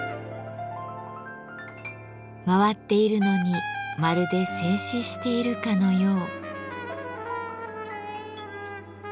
回っているのにまるで静止しているかのよう。